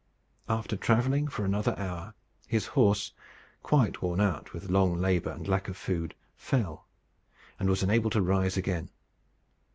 After travelling for another hour, his horse, quite worn out with long labour and lack of food, fell, and was unable to rise again.